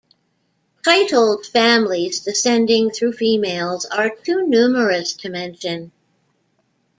Titled families descending through females are too numerous to mention.